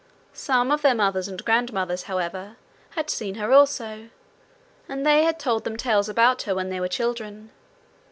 Some of their mothers and grandmothers, however, had seen her also, and they all had told them tales about her when they were children.